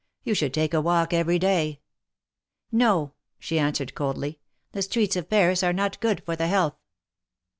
You should take a walk every day !" '^No," she answered, coldly, ^^the streets of Paris are not good for the health."